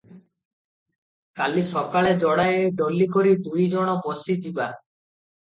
କାଲି ସକାଳେ ଯୋଡ଼ାଏ ଡୋଲି କରି ଦୁଇ ଜଣ ବସି ଯିବା ।